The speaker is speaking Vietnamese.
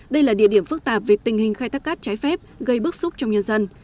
đây là địa điểm phức tạp về tình hình khai thác cát trái phép gây bức xúc trong nhân dân